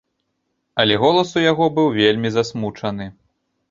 Але голас у яго быў вельмі засмучаны.